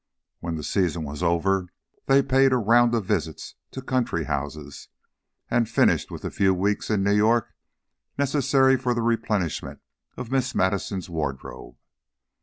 When the season was over, they paid a round of visits to country houses, and finished with the few weeks in New York necessary for the replenishment of Miss Madison's wardrobe.